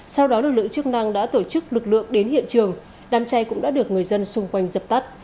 sau đó lực lượng chức năng đã tổ chức lực lượng đến hiện trường đám cháy cũng đã được người dân xung quanh dập tắt